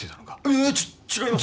いやち違います。